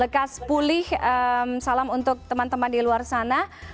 bekas pulih salam untuk teman teman di luar sana